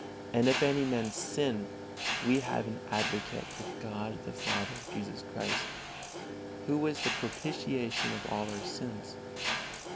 And if any man sin, we have an Advocate with God the Father, Jesus Christ, Who is the propitiation of all our sins."